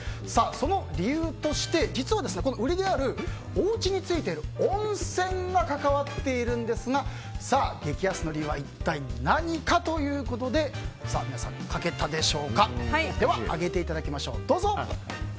その理由として実は、売りであるおうちに付いている温泉が関わっているんですが激安の理由は一体何かということで皆さん、上げていただきましょう。